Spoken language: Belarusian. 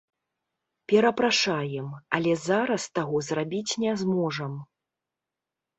Перапрашаем, але зараз таго зрабіць не зможам.